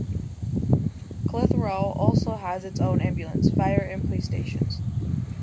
Clitheroe also has its own Ambulance, Fire and police stations.